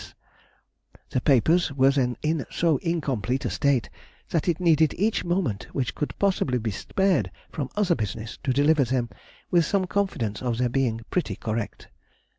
S. The papers were then in so incomplete a state, that it needed each moment which could possibly be spared from other business to deliver them with some confidence of their being pretty correct.